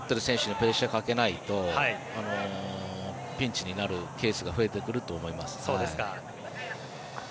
プレッシャーかけないとピンチになるケースが増えてくると思います。